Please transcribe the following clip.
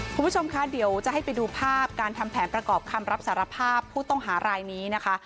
คุณผู้ชมคะเดี๋ยวจะให้ไปดูภาพการทำแผนประกอบคำรับสารภาพผู้ต้องหารายนี้นะคะ